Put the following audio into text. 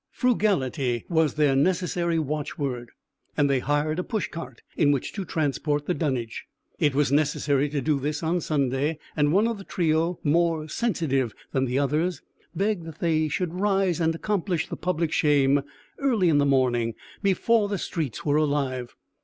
Frugality was their necessary watchword, and they hired a pushcart in which to transport the dunnage. It was necessary to do this on Sunday, and one of the trio, more sensitive than the others, begged that they should rise and accomplish the public shame early in the morning, before the streets were alive.